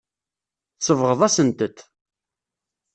Tsebɣeḍ-asent-t.